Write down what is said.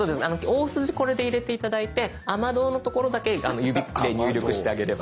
大筋これで入れて頂いて「雨どう」の所だけ指で入力してあげれば。